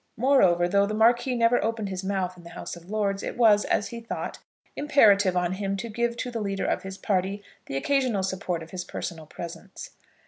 Moreover, though the Marquis never opened his mouth in the House of Lords, it was, as he thought, imperative on him to give to the leader of his party the occasional support of his personal presence.